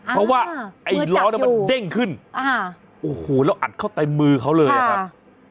เพราะว่าไอ้ล้อมันเด้งขึ้นโอ้โหแล้วอัดเข้าเต็มมือเขาเลยอะครับ